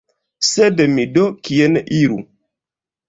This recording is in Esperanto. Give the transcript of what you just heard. Sed mi do kien iru?